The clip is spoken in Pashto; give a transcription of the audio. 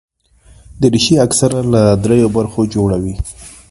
دریشي اکثره له درېو برخو جوړه وي.